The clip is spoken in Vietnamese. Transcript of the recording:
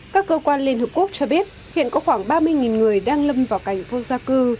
các cơ quan liên hợp quốc cho biết hiện có khoảng ba mươi người đang lâm vào cảnh vô gia cư